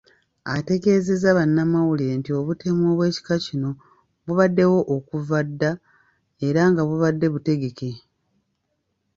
Ategeezezza bannamawulire nti obutemu obw’ekika kino bubaddewo okuva dda era nga bubadde butegeke.